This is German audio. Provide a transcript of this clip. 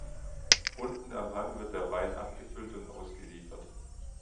Unten am Hang wird der Wein abgefüllt und ausgeliefert.